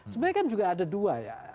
sebenarnya kan juga ada dua ya